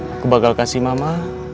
aku bakal kasih mama